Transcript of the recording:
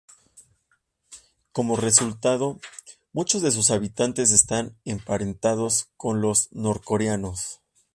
Como resultado, muchos de sus habitantes están emparentados con los norcoreanos.